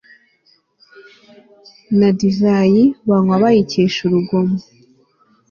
na divayi banywa bayikesha urugomo